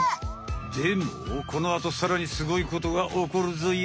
でもこのあとさらにすごいことがおこるぞよ。